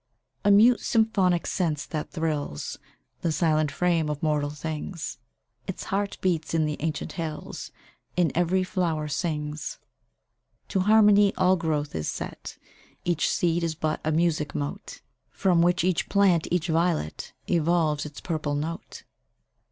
A mute symphonic sense that thrills The silent frame of mortal things; Its heart beats in the ancient hills, In every flower sings. To harmony all growth is set Each seed is but a music mote, From which each plant, each violet, Evolves its purple note.